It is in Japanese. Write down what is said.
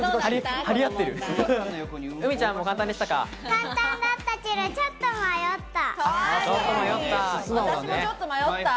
簡単だったけどちょっと迷った。